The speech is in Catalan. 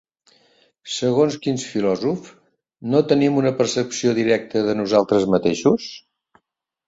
Segons quins filòsofs no tenim una percepció directa de nosaltres mateixos?